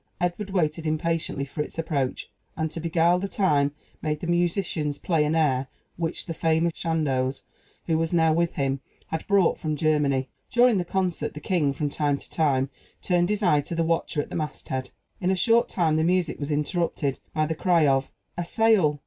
Edward waited impatiently for its approach, and, to beguile the time, made the musicians play an air which the famous Chandos, who was now with him, had brought from Germany. During the concert, the king, from time to time, turned his eye to the watcher at the masthead. In a short time the music was interrupted by the cry of "A sail!"